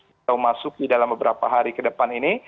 atau masuk di dalam beberapa hari ke depan ini